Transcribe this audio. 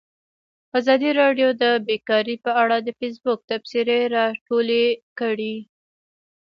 ازادي راډیو د بیکاري په اړه د فیسبوک تبصرې راټولې کړي.